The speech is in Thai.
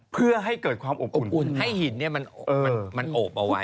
เพื่อให้เกิดความอบอุ่นให้หินมันโอบเอาไว้